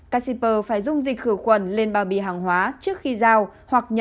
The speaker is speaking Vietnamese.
các shipper phải dùng dịch khử quần lên bao bì hàng hóa